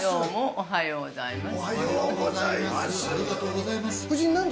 おはようございます。